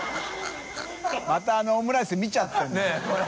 泙あのオムライス見ちゃってるんだから。